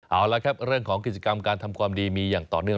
เอาละครับเรื่องของกิจกรรมการทำความดีมีอย่างต่อเนื่อง